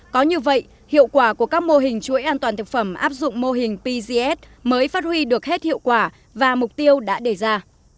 có như vậy hiệu quả của các mô hình chuỗi an toàn thực phẩm áp dụng mô hình pcs mới phát huy được hết hiệu quả và mục tiêu đã đề ra